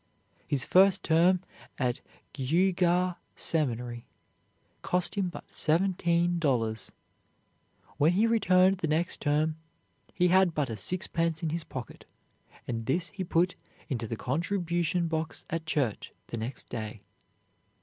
His first term at Geauga Seminary cost him but seventeen dollars. When he returned the next term he had but a sixpence in his pocket, and this he put into the contribution box at church the next day.